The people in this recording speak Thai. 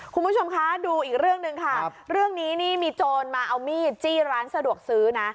คุณผู้ชมคะดูอีกเรื่องหนึ่งค่ะเรื่องนี้นี่มีโจรมาเอามีดจี้ร้านสะดวกซื้อนะ